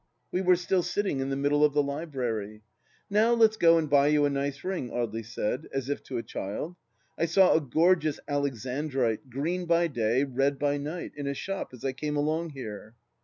.. We were still sitting in the middle of the library. ..._" Now let's go and buy you a nice ring," Audely said, as if to a child. " I saw a gorgeous Alexandrite— green by day, red by night — in a shop as I came along here."